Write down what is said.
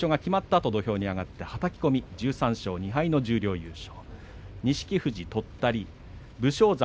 あと土俵に上がってはたき込み１３勝２敗の十両優勝。